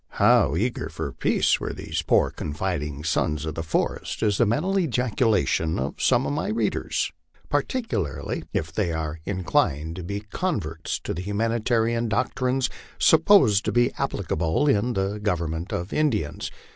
How eager for peace were these poor, confiding sons of the forest is the mental ejaculation of some of my readers, particularly if they are inclined to be converts to the humanitarian doctrines supposed to be applicable in the government of Indians.